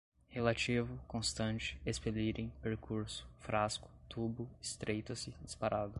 relativo, constante, expelirem, percurso, frasco, tubo, estreita-se, disparado